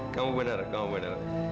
kamu benar kamu benar